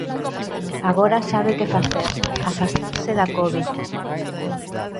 Agora sabe que facer afastarse da covid.